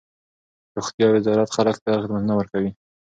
روغتیا وزارت خلک ته خدمتونه ورکوي.